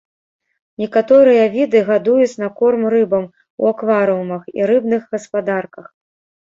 Некаторыя віды гадуюць на корм рыбам у акварыумах і рыбных гаспадарках.